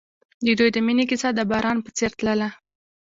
د دوی د مینې کیسه د باران په څېر تلله.